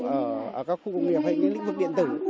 ở các khu công nghiệp hay những lĩnh vực điện tử